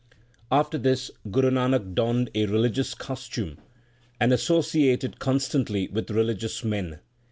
2 After this, Guru Nanak donned a religious cos tume and associated constantly with religious men.